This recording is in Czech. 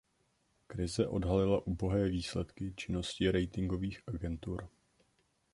Krize odhalila ubohé výsledky činnosti ratingových agentur.